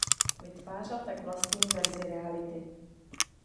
Vytvářel tak vlastní verzi reality.